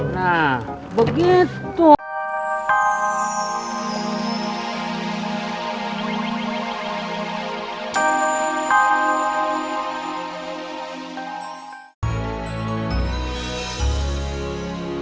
tunggu pak bos